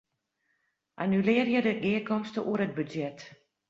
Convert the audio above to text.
Annulearje de gearkomste oer it budzjet.